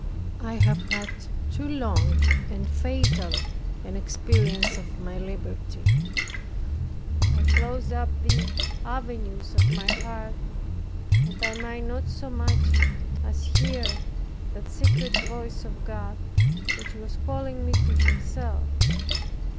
I have had too long and fatal an experience of my liberty. I closed up the avenues of my heart, that I might not so much as hear that secret voice of God, which was calling me to Himself.